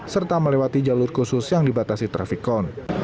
serta melewati jalur khusus yang dibatasi trafikon